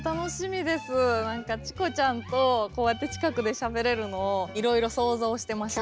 チコちゃんとこうやって近くでしゃべれるのをいろいろ想像してました。